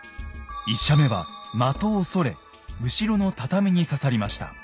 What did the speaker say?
１射目は的をそれ後ろの畳に刺さりました。